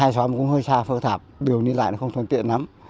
hai xóm cũng hơi xa phơ thạp đường đi lại nó không thuận tiện lắm